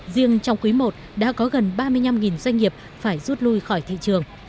riêng trong quý i đã có gần ba mươi năm doanh nghiệp phải rút lui khỏi thị trường